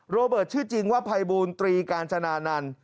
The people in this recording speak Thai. โรเบิร์ตชื่อจริงว่าภัยบูรตรีกาญจนานันต์